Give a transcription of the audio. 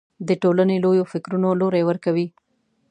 د ټولنې لویو فکرونو لوری ورکوي